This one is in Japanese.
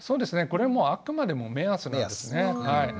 これはもうあくまでも目安なんですね。